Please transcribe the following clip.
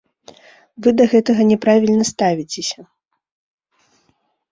Вы да гэтага няправільна ставіцеся.